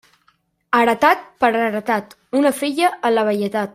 Heretat per heretat, una filla en la velledat.